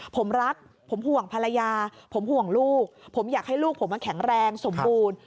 ผมรักผมห่วงภรรยาผมห่วงลูกผมอยากให้ลูกผมแข็งแรงสมบูรณ์